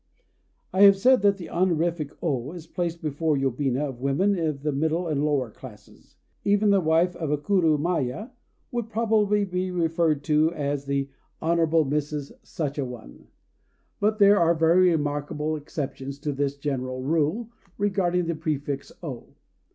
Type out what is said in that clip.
I have said that the honorific "O" is placed before the yobina of women of the middle and lower classes. Even the wife of a kurumaya would probably be referred to as the "Honorable Mrs. Such a one." But there are very remarkable exceptions to this general rule regarding the prefix "O."